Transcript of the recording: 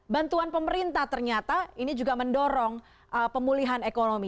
bantuan pemerintah ternyata ini juga mendorong pemulihan ekonomi